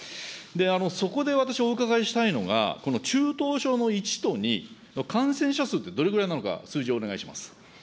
そこで私、お伺いしたいのが、この中等症の１と２、感染者数ってどれぐらいなのか、数字をお願い